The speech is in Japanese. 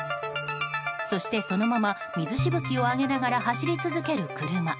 そして、そのまま水しぶきを上げながら走り続ける車。